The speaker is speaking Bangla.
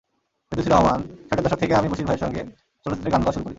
ফেরদৌসী রহমানষাটের দশক থেকে আমি বশির ভাইয়ের সঙ্গে চলচ্চিত্রে গান গাওয়া শুরু করি।